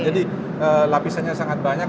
jadi lapisannya sangat banyak